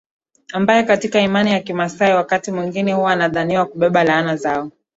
ambae katika imani za kimaasai wakati mwingine huwa anadhaniwa kubeba laana zao